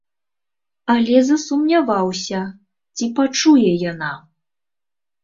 Але засумняваўся, ці пачуе яна?